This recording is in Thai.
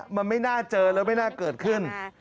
มันไม่น่าเจอแล้วไม่น่าเกิดขึ้น